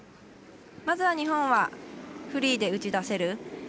まずは日本はフリーで打ち出せる